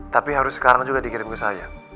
tapi harus sekarang juga dikirim ke saya